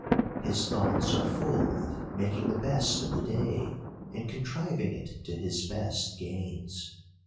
His thoughts are full of making the best of the day, and contriving it to his best gains.